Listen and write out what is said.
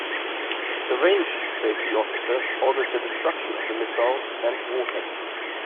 The range safety officer ordered the destruction of the missile and warhead.